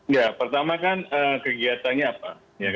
ya pertama kan kegiatannya apa